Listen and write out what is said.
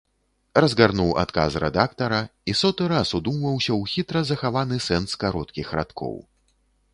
Разгарнуў адказ рэдактара і соты раз удумваўся ў хітра захаваны сэнс кароткіх радкоў.